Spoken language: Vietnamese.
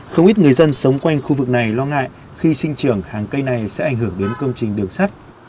không ít người dân sống quanh khu vực này lo ngại khi sinh trưởng hàng cây này sẽ ảnh hưởng đến công trình đường sắt